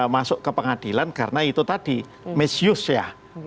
masuk ke pengadilan karena itu tadi misus ya